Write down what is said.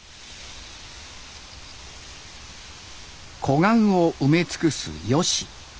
湖岸を埋め尽くすヨシ。